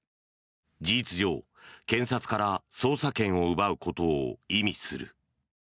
事実上、検察から捜査権を奪うことを意味する。